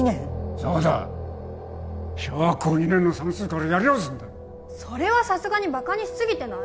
そうだ小学校２年の算数からやり直すんだそれはさすがにバカにしすぎてない？